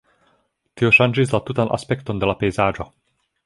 Tio ŝanĝis la tutan aspekton de la pejzaĝo.